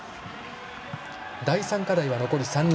第３課題は残り３人。